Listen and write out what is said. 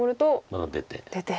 また出て。